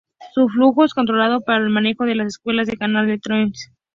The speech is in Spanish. Su flujo es controlado para el manejo de las esclusas del Canal de Trollhättan.